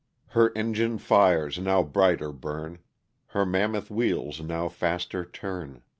Her engine fires now brighter burn, Her mammoth wheels now faster turn.